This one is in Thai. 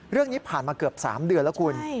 เรื่องนี้ผ่านมาเกือบ๓เดือนแล้วคุณ